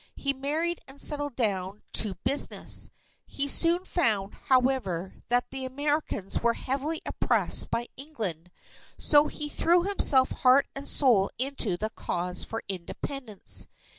He married and settled down to business. He soon found, however, that the Americans were heavily oppressed by England. So he threw himself heart and soul into the cause for Independence.